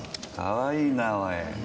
かわいいなぁおい。